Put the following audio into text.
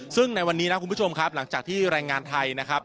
ซึ่งในวันนี้นะคุณผู้ชมครับหลังจากที่แรงงานไทยนะครับ